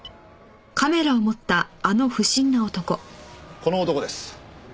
この男です。